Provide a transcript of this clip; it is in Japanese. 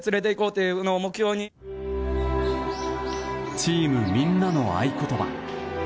チームみんなの合言葉